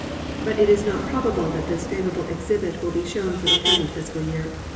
But it is not probable that this favorable exhibit will be shown for the present fiscal year.